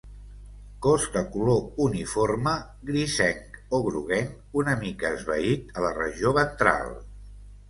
Cos de color uniforme, grisenc o groguenc, una mica esvaït a la regió ventral.